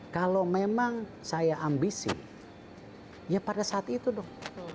kalau memang saya ambisi ya pada saat itu dong